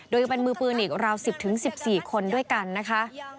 โดยยังเป็นมือปืนอีกราว๑๐๑๔คนด้วยกันนะคะ